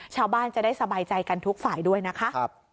ชาวบ้านจะได้สบายใจกันทุกฝ่ายด้วยนะคะ